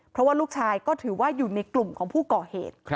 เพราะว่าลูกชายก็ถือว่าอยู่ในกลุ่มของผู้ก่อเหตุ